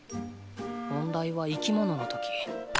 問題は生きものの時。